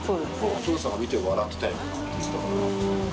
「お父さんが見て笑ってたよ」なんて言ったから。